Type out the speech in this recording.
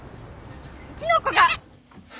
キノコが。